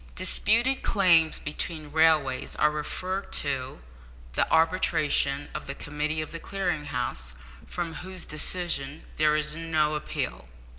Disputed claims between railways are referred to the arbitration of the committee of the Clearing House, from whose decision there is no appeal.